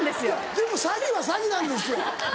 でも詐欺は詐欺なんですよ。